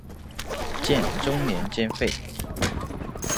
建中年间废。